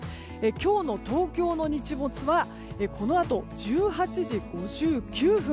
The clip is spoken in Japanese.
今日の東京の日没はこのあと１８時５９分。